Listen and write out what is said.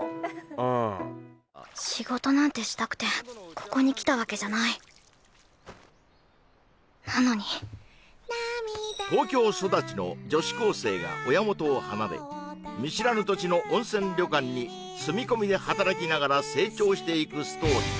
うん仕事なんてしたくてここに来たわけじゃないなのに東京育ちの女子高生が親元を離れ見知らぬ土地の温泉旅館に住み込みで働きながら成長していくストーリー